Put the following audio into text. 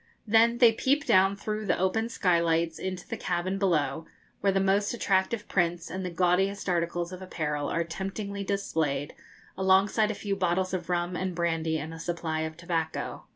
Then they peep down through the open skylights into the cabin below, where the most attractive prints and the gaudiest articles of apparel are temptingly displayed, alongside a few bottles of rum and brandy and a supply of tobacco.